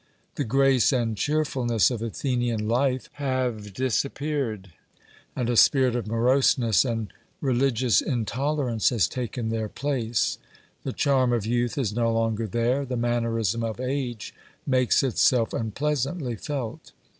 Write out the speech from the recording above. The grace and cheerfulness of Athenian life have disappeared; and a spirit of moroseness and religious intolerance has taken their place. The charm of youth is no longer there; the mannerism of age makes itself unpleasantly felt.